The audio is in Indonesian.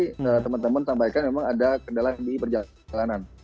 tadi teman teman sampaikan memang ada kendala di perjalanan